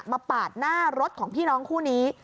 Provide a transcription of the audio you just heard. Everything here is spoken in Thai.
ปาดหน้ารถของพี่น้องคู่นี้